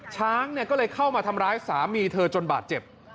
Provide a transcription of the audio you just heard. ช้างก็เลยเข้ามาทำร้ายสามีเธอจนบาดเจ็บ